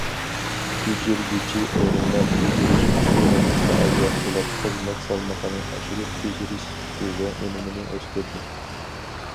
بېجىرگۈچى ئورۇنلار بېجىرىش ئۇسۇلىنى پائال ياخشىلاپ، خىزمەت سالمىقىنى ئاشۇرۇپ، بېجىرىش سۈپىتى ۋە ئۈنۈمىنى ئۆستۈردى.